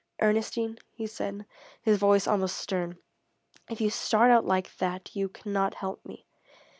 "Ernestine," he said, his voice almost stern, "if you start out like that you cannot help me.